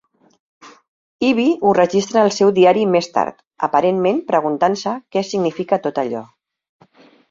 Evie ho registra al seu diari més tard, aparentment preguntant-se què significa tot allò.